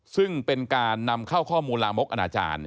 ซึ่งเป็นการนำเข้าข้อมูลลามกอนาจารย์